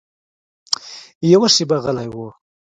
يوه شېبه غلی و.